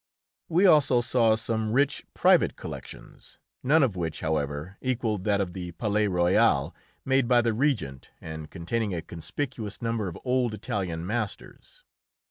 We also saw some rich private collections, none of which, however, equalled that of the Palais Royal, made by the Regent and containing a conspicuous number of old Italian masters.